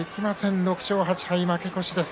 ６勝８敗、負け越しです。